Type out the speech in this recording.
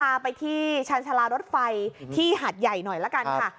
พาไปที่ชาญชาลารถไฟที่หาดใหญ่หน่อยละกันค่ะ